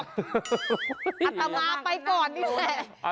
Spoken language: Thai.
อัตมาไปก่อนนี่แหละ